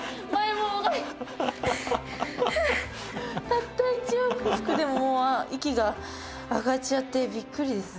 たった１往復でも息が上がっちゃってびっくりですよ。